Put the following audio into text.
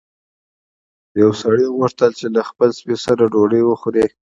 یو سړي غوښتل چې له خپل سپي سره ډوډۍ وخوري.